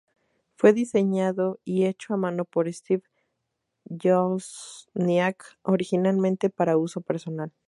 Fue diseñado y hecho a mano por Steve Wozniak originalmente para uso personal.